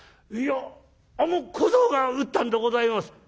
いやあの小僧が打ったんでございます」。